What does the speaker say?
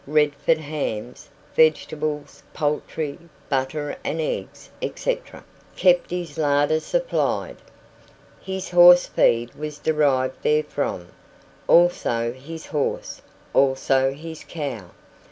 Redford hams, vegetables, poultry, butter and eggs, etc., kept his larder supplied. His horse feed was derived therefrom; also his horse; also his cow.